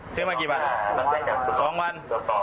สื้นมากี่วัน